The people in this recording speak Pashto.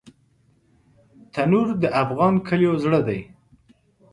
تنور د افغان کلیو زړه دی